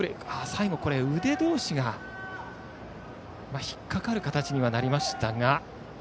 最後、腕同士が引っかかる形にはなりましたが。